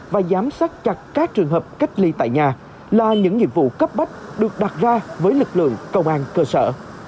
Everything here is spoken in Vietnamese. và giám sát chặt các trường hợp cách ly tại nhà là những nghiệp vụ cấp bách được đặt ra với lực lượng công an cơ sở